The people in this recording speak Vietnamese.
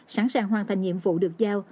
sẵn sàng hoàn thành nhiệm vụ được giao